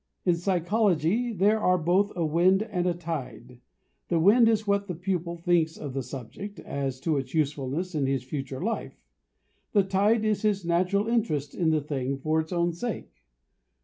In psychology there are both a wind and a tide. The wind is what the pupil thinks of the subject as to its usefulness in his future life. The tide is his natural interest in the thing for its own sake.